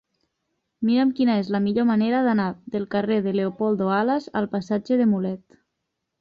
Mira'm quina és la millor manera d'anar del carrer de Leopoldo Alas al passatge de Mulet.